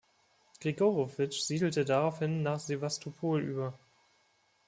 Grigorowitsch siedelte daraufhin nach Sewastopol über.